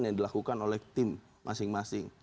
yang dilakukan oleh tim masing masing